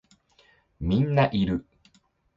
みんないる